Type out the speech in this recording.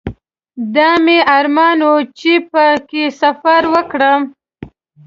دا مې ارمان و چې په کې سفر وکړم.